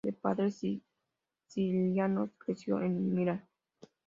De padres sicilianos, creció en Milán.